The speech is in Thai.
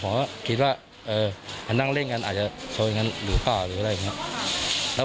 ผมก็คิดว่านั่งเล่นการอาจจะโชนกันหรือกล้า